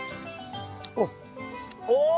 お！